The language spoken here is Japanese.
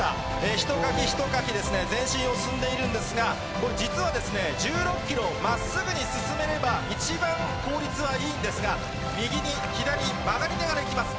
ひとかきひとかきですね、前進を、進んでいるんですが、これ、実はですね、１６キロ、まっすぐに進めれば一番効率はいいんですが、右に、左に曲がりながら行きます。